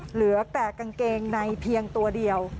เหลือแต่กางเกงในเพียงตัวเดียว